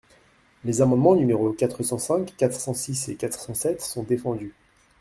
Les amendements numéros quatre cent cinq, quatre cent six et quatre cent sept sont défendus.